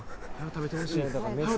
食べてほしいはよ